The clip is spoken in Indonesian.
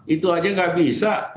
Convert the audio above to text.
itu aja nggak bisa